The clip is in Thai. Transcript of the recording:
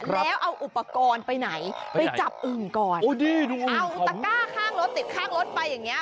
แล้วเอาอุปกรณ์ไปไหนไปจับอึ่งก่อนเอาตะก้าข้างรถติดข้างรถไปอย่างเงี้